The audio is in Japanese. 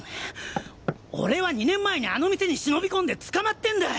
俺は２年前にあの店に忍び込んで捕まってんだ！